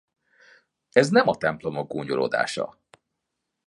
Ez nem a templomok gúnyolódása.